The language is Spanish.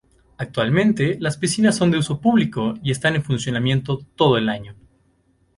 Actualmente las piscinas son de uso público y están en funcionamiento todo el año.